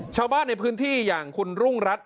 ชาวบ้านในพื้นที่อย่างคุณรุ่งรัฐ